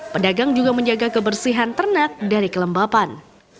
pedagang juga menjaga kebersihan ternak dari kelembapan